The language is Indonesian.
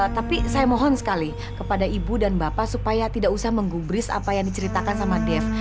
tapi saya mohon sekali kepada ibu dan bapak supaya tidak usah menggubris apa yang diceritakan sama dev